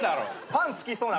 パン好きそうな。